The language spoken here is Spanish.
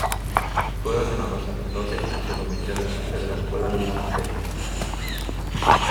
Fue ordenado sacerdote y se convirtió en jefe de la escuela del monasterio.